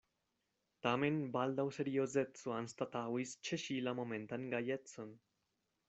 Tamen baldaŭ seriozeco anstataŭis ĉe ŝi la momentan gajecon.